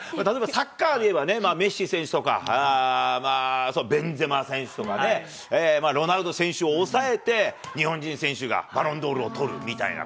サッカーで言えばね、メッシ選手とか、ベンゼマ選手とかね、ロナウド選手をおさえて日本人選手がバロンドールを取るみたいな。